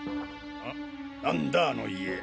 何だあの家？